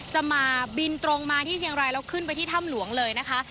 จะมาบินตรงมาที่เชียงรายแล้วขึ้นไปที่ถ้ำหลวงเลยนะคะ